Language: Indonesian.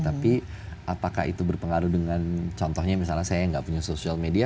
tapi apakah itu berpengaruh dengan contohnya misalnya saya nggak punya social media